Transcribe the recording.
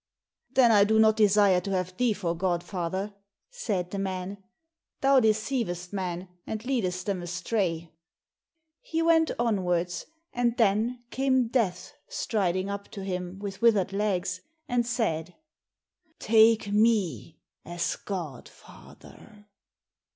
"Then I do not desire to have thee for godfather," said the man; "thou deceivest men and leadest them astray." He went onwards, and then came Death striding up to him with withered legs, and said, "Take me as godfather."